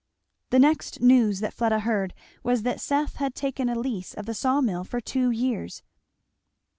The next news that Fleda heard was that Seth had taken a lease of the saw mill for two years.